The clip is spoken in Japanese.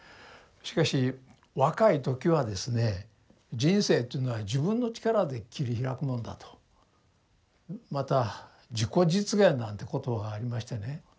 しかし若い時はですね人生というのは自分の力で切り開くもんだと。また自己実現なんて言葉がありましてね。